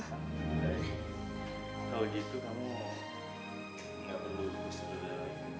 baik kalau gitu kamu gak perlu khusus dulu lagi